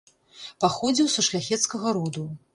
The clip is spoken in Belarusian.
Паходзіў са шляхецкага роду.